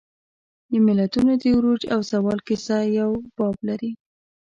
د ملتونو د عروج او زوال کیسه یو باب لري.